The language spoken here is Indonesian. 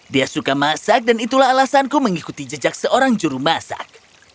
dia suka masak dan itulah alasanku mengikuti jejak seorang juru masak